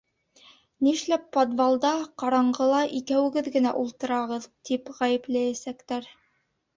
Нишләп подвалда, ҡараңғыла икәүегеҙ генә ултыраһығыҙ, тип ғәйепләйәсәктәр.